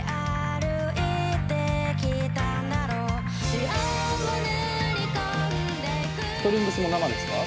ストリングスも生ですか？